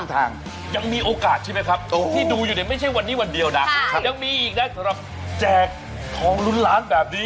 ยังมีอีกนะสำหรับแจกท้องลุ้นร้านแบบนี้